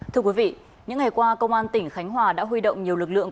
thưa quý vị những ngày qua công an tỉnh khánh hòa đã huy động nhiều lực lượng